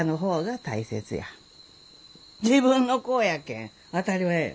自分の子やけん当たり前や。